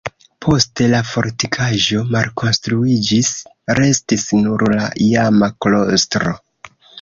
Poste la fortikaĵo malkonstruiĝis, restis nur la iama klostro.